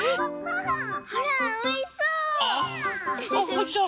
ほらおいしそう！